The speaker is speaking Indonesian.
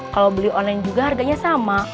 kalau beli online juga harganya sama